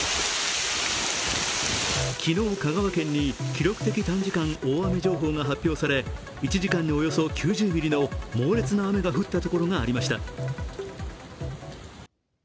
昨日、香川県に記録的短時間大雨情報が発表され、１時間におよそ９０ミリの猛烈な雨が降ったところがありました。